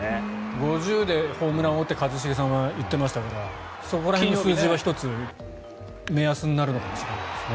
５０でホームラン王って一茂さんは言ってましたからそこら辺の数字は１つ、目安になるのかもしれないですね。